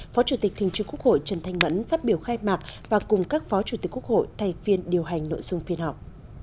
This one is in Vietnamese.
phó chủ tịch thường trưởng quốc hội trần thanh mẫn phát biểu khai mạc và cùng các phó chủ tịch quốc hội thay phiên điều hành nội dung phiên họp